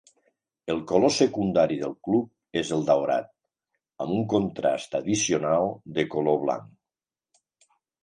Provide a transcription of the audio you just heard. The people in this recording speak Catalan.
El color secundari del club és el daurat, amb un contrast addicional de color blanc.